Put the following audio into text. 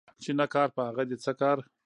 چي نه کار په هغه دي څه کار